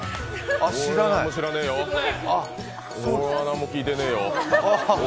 俺は何も聞いてねえよ。